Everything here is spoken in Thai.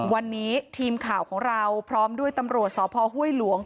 วันนี้ทีมข่าวของเราพร้อมด้วยตำรวจสพห้วยหลวง